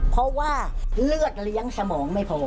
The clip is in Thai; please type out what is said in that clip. เพราะว่าเลือดเลี้ยงสมองไม่พอ